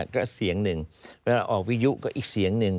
ก็เสียงหนึ่งเวลาออกวิยุก็อีกเสียงหนึ่ง